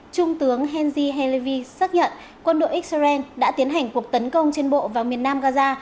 trung tướng henry halevy xác nhận quân đội x bảy đã tiến hành cuộc tấn công trên bộ vào miền nam gaza